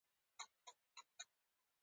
ایا زه به خپله لاره پیدا کړم؟